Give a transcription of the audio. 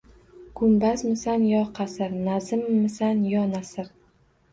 Gumbazmisan yo qasr, nazmmisan yo nasr